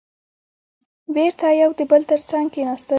بېرته يو د بل تر څنګ کېناستل.